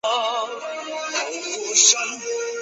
王隆之子。